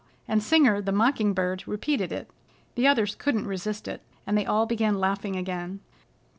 and Singer the Mocking Bird repeated it. The others couldn't resist it, and they all began laughing again.